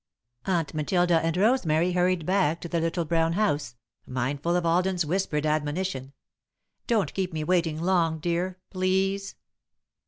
Aunt Matilda and Rosemary hurried back to the little brown house, mindful of Alden's whispered admonition: "Don't keep me waiting long, dear please."